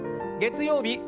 月曜日